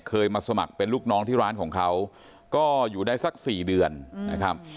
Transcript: มาสมัครเป็นลูกน้องที่ร้านของเขาก็อยู่ได้สัก๔เดือนนะครับ